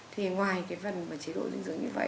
thì ngoài cái phần và chế độ dinh dưỡng như vậy